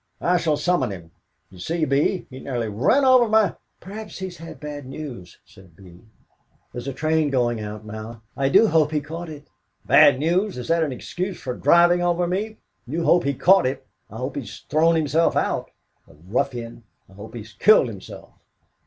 I shall summons him. Did you see, Bee, he nearly ran over my " "Perhaps he's had bad news," said Bee. "There's the train going out now; I do hope he caught it!" "Bad news! Is that an excuse for driving over me? You hope he caught it? I hope he's thrown himself out. The ruffian! I hope he's killed himself."